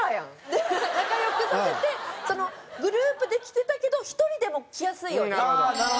で仲良くさせてグループで来てたけど１人でも来やすいようにっていうのをすごく。